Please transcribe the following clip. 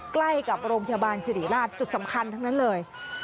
ใกล้กับโรงพยาบาลสิริราชจุดสำคัญทั้งนั้นเลย